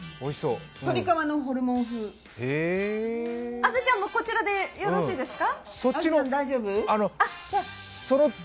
あずちゃんもこちらでよろしいですか？